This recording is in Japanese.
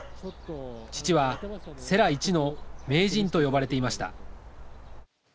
父は世羅一の名人と呼ばれていました。